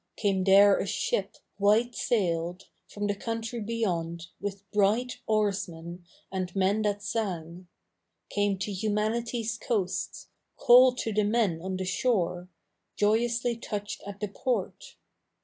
Came there a ship white sailed From the countiy beyond, with bright Oarsmen, and men that sang ; Came to Humanity'' s coasts. Called to the men on the shore. Joyously touched at the p07't.